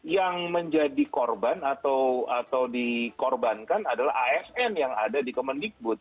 yang menjadi korban atau dikorbankan adalah asn yang ada di kemendikbud